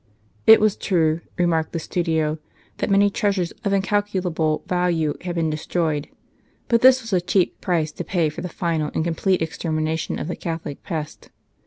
It was true, remarked the Studio, that many treasures of incalculable value had been destroyed, but this was a cheap price to pay for the final and complete extermination of the Catholic pest.